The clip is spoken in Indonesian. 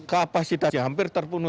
kapasitasnya hampir terpenuh